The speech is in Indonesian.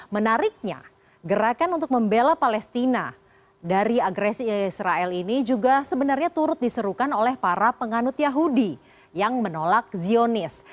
menariknya gerakan untuk membela palestina dari agresi israel ini juga sebenarnya turut diserukan oleh para penganut yahudi yang menolak zionis